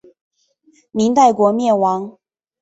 明代国灭亡。